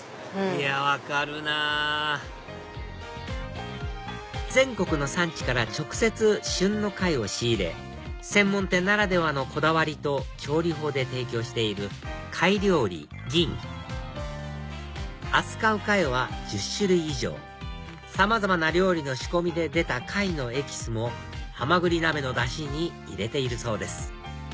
いや分かるなぁ全国の産地から直接旬の貝を仕入れ専門店ならではのこだわりと調理法で提供している貝料理吟扱う貝は１０種類以上さまざまな料理の仕込みで出た貝のエキスもはまぐり鍋のダシに入れているそうです